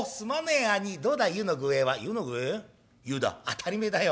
「当たり前だよ。